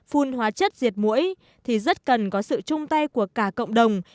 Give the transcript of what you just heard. phun hóa chất diệt mũi thì rất cần có sự chung tay của cả cộng đồng